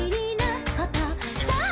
「さあ」